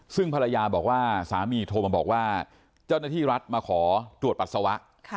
ซึ่งภรรยาบอกว่าสามีโทรมาบอกว่าเจ้าหน้าที่รัฐมาขอตรวจปัสสาวะ